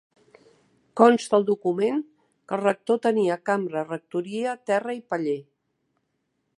Consta al document que el rector tenia cambra, rectoria, terra i paller.